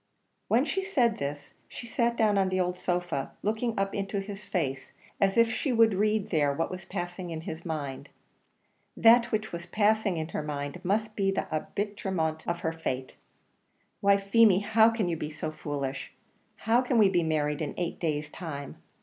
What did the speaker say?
When she said this, she sat down on the old sofa, looking up into his face, as if she would read there what was passing in his mind. That which was passing in his mind must be the arbitrament of her fate. "Why, Feemy, how can you be so foolish? How can we be married in eight days' time?